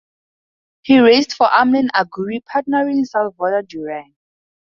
He raced for Amlin Aguri, partnering Salvador Duran.